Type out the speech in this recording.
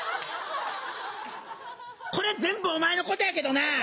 これ全部お前のことやけどな！